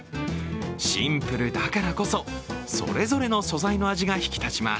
シンプルだからこそ、それぞれの素材の味が引き立ちます。